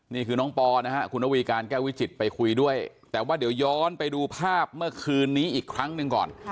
นี่คือน้องปอนะฮะคุณระวีการแก้ววิจิตไปคุยด้วยแต่ว่าเดี๋ยวย้อนไปดูภาพเมื่อคืนนี้อีกครั้งหนึ่งก่อน